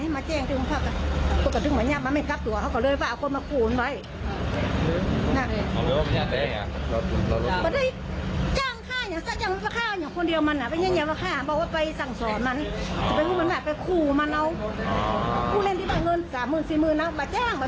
เขาจ้างข้าละเขาเพียงจะไปที่สั่งสอนไปอายุตรฐาน